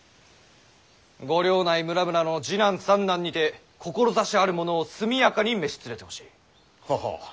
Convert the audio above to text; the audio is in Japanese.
ご領内村々の次男三男にて志あるものを速やかに召し連れてほしい。ははっ。